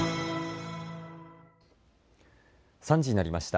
３時になりました。